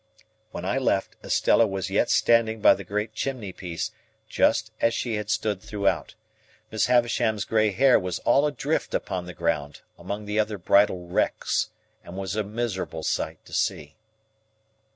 When I left, Estella was yet standing by the great chimney piece, just as she had stood throughout. Miss Havisham's grey hair was all adrift upon the ground, among the other bridal wrecks, and was a miserable sight to see.